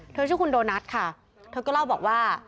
ชื่อคุณโดนัทค่ะเธอก็เล่าบอกว่า